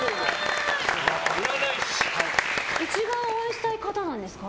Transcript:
一番お会いしたい方なんですか。